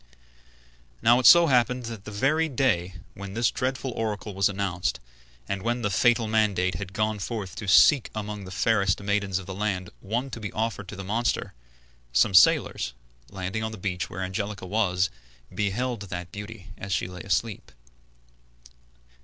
Now it so happened that the very day when this dreadful oracle was announced, and when the fatal mandate had gone forth to seek among the fairest maidens of the land one to be offered to the monster, some sailors, landing on the beach where Angelica was, beheld that beauty as she lay asleep.